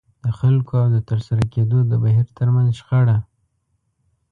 د خلکو او د ترسره کېدو د بهير ترمنځ شخړه.